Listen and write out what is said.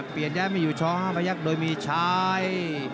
เปลี่ยนแยะไม่อยู่ช้องพระยักษ์โดยมีชาย